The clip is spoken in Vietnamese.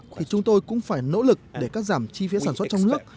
thì chúng tôi cũng phải nỗ lực để cắt giảm chi phí sản xuất trong nước